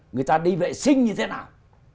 người ta đi vệ sinh như thế nào